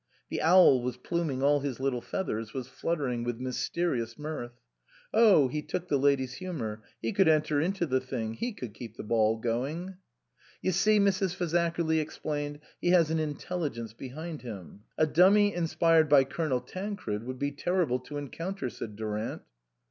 The owl was pluming all his little feathers, was fluttering with mysterious mirth. Oh ! he took the lady's humour, he could enter into the thing, he could keep the ball going. " You see," Mrs. Fazakerly explained, " he has an intelligence behind him." " A dummy inspired by Colonel Tancred would be terrible to encounter," said Durant.